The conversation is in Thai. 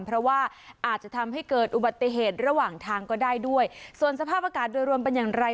เพราะว่าอาจจะทำให้เกิดอุบัติเหตุระหว่างทางก็ได้ด้วยส่วนสภาพอากาศโดยรวมเป็นอย่างไร